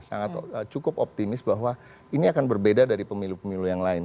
sangat cukup optimis bahwa ini akan berbeda dari pemilu pemilu yang lain